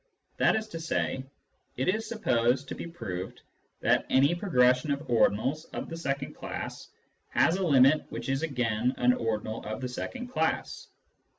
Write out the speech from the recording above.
That is to say, it is supposed to be proved that any pro gression of ordinals of the second class has a limit which is again an ordinal of the second class.